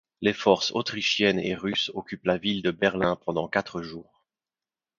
Les forces autrichiennes et russes occupent la ville de Berlin pendant quatre jours.